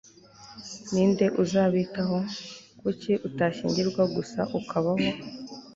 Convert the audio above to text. ni nde uzabitaho? kuki utashyingirwa gusa ukabaho